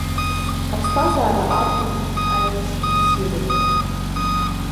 Аԥсҭазаара ааԥын аиԥш иссируп.